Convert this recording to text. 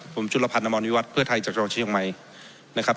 ผมชุดละพันธ์นามอนวิวัตน์เพื่อไทยจักรโรชช่องใหม่นะครับ